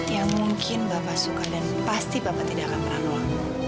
yang mungkin bapak suka dan pasti bapak tidak akan pernah nolak